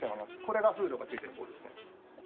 これがフードが付いてる方ですね。